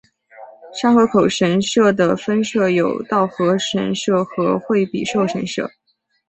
沙河口神社的分社有稻荷神社和惠比寿神社。